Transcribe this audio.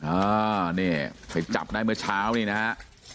อ่านี่ไปจับได้เมื่อเช้านี้นะฮะ